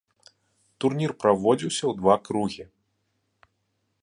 Турнір праводзіўся ў два кругі.